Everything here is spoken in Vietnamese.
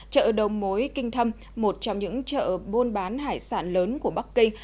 chợ đầu mối kinh thâm một trong những chợ buôn bán hải sản lớn của bắc kinh